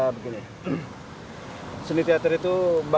begini seni teater itu